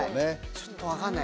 ちょっと分かんない。